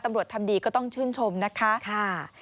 ตำรวจทำดีก็ต้องชื่นชมนะคะ